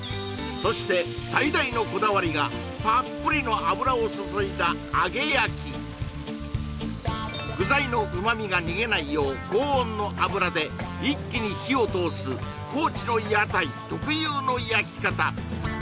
そして最大のこだわりがたっぷりの油を注いだ揚げ焼き具材の旨味が逃げないよう高温の油で一気に火を通す高知の屋台特有の焼き方